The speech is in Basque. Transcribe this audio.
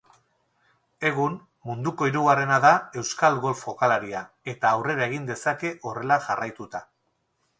Egun, munduko hirugarrena da euskal golf-jokalaria eta aurrera egin dezake horrela jarraituta.